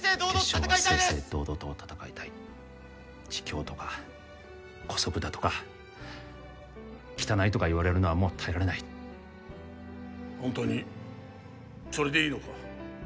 決勝は正々堂々と戦いたい卑怯とか姑息だとか汚いとか言われるのはもう耐えられない本当にそれでいいのか